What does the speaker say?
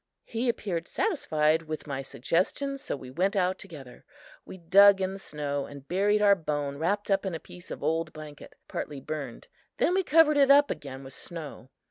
He appeared satisfied with my suggestion, so we went out together. We dug in the snow and buried our bone wrapped up in a piece of old blanket, partly burned; then we covered it up again with snow.